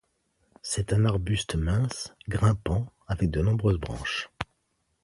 C'est un arbuste mince, grimpant, avec de nombreuses branches.